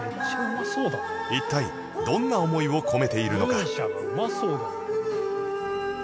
一体どんな思いを込めているのか？